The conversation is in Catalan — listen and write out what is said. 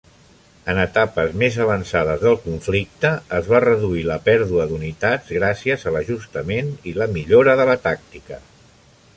En etapes més avançades del conflicte, es va reduir la pèrdua d'unitats gràcies a l'ajustament i la millora de la tàctica.